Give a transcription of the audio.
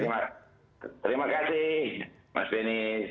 terima kasih mas denny